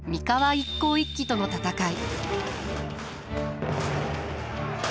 一向一揆との戦い。